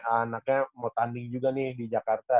anaknya mau tanding juga nih di jakarta